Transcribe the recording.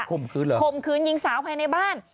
ข่มขื้นเหรอข่มขื้นยิงสาวภายในบ้าน